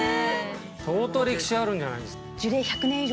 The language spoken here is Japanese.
相当歴史あるんじゃないですか？